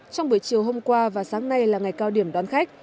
trong buổi chiều hôm qua và sáng nay là ngày cao điểm đón khách